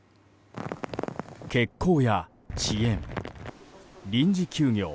欠航や遅延、臨時休業